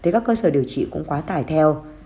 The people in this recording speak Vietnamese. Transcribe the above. các cơ sở điều trị cũng quá tải theo